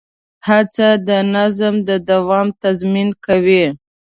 هڅه د نظم د دوام تضمین کوي.